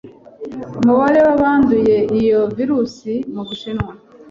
umubare w'abanduye iyo virusi mu Bushinwa